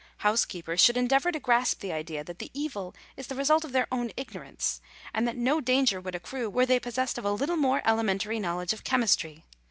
Housekeepers should endeavour to grasp the idea that the evil is the result of their own ignorance, and that no danger would accrue were they possessed of a little more elementary knowledge of chemistry.